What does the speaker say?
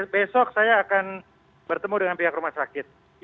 besok saya akan bertemu dengan pihak rumah sakit